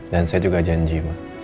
dan saya juga janji